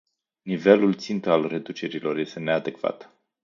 Nivelul țintă al reducerilor este neadecvat.